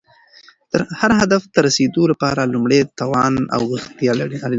هر هدف ته رسیدو لپاره لومړی توان او غښتلتیا اړینه ده.